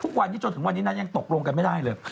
ทุกวันนี้จนถึงวันนี้นั้นยังตกลงกันไม่ได้เลย